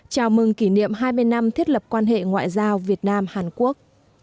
chào mừng kỷ niệm hai mươi năm thiết lập quan hệ ngoại giao việt nam hàn quốc